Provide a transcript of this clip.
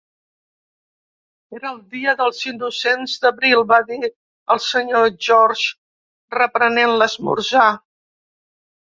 "Era el dia dels innocents d'abril", va dir el Sr. George reprenent l'esmorzar.